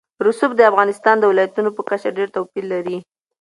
رسوب د افغانستان د ولایاتو په کچه ډېر توپیر لري.